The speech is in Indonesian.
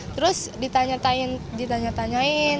terus ditanyain ditanya tanyain